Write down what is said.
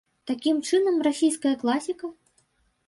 Такім чынам, расійская класіка?